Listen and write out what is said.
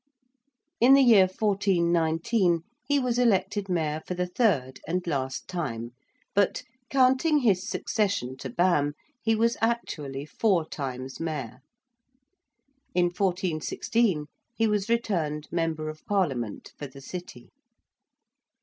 In the year 1419 he was elected Mayor for the third and last time, but, counting his succession to Bamme, he was actually four times Mayor. In 1416 he was returned Member of Parliament for the City.